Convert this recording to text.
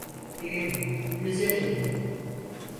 Evim, güzel evim.